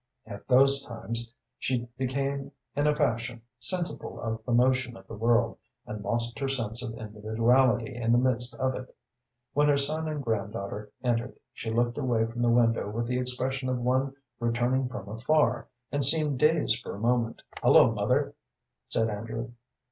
At those times she became in a fashion sensible of the motion of the world, and lost her sense of individuality in the midst of it. When her son and granddaughter entered she looked away from the window with the expression of one returning from afar, and seemed dazed for a moment. "Hullo, mother!" said Andrew.